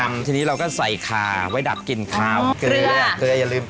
มีทั้งส่วนหางแล้วก็ส่วนหู